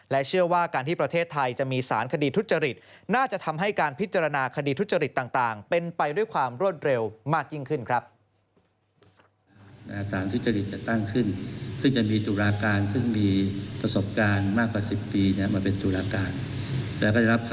เชื่อว่าการที่ประเทศไทยจะมีสารคดีทุจริตน่าจะทำให้การพิจารณาคดีทุจริตต่างเป็นไปด้วยความรวดเร็วมากยิ่งขึ้นครับ